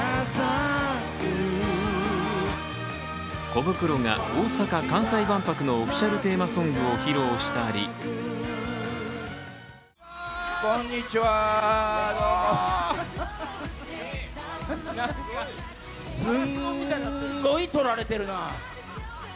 コブクロが大阪・関西万博のオフィシャルテーマソングを披露したりすんごい撮られてるな。